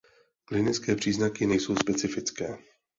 Klinické příznaky nejsou specifické.